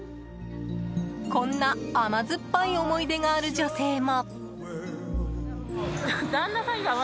こんな甘酸っぱい思い出がある女性も。